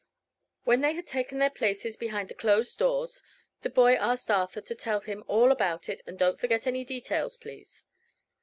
When they had taken their places behind the closed doors the boy asked Arthur to tell him "all about it, and don't forget any details, please."